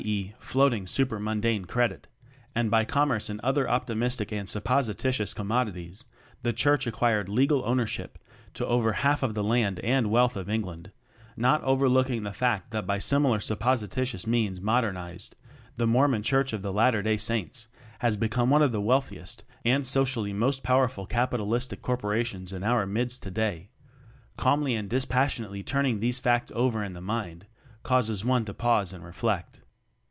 e., "floating (super mundane) credit" and by commerce in other optimistic and supposititious commodities, "the Church" acquired legal ownership to over half of the land and wealth of England; not overlooking the fact that by similar supposititious means mod ernized, the Mormon Church of the Latter Day Saints has become one of the wealthiest and socially most pow erful capitalistic corporations in our midst today; calmly and dispassionate ly turning these facts over in the mind, causes one to pause and reflect.